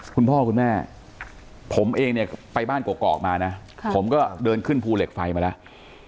คุณพ่อคุณแม่ผมเองเนี่ยไปบ้านกอกมานะผมก็เดินขึ้นภูเหล็กไฟมาแล้ว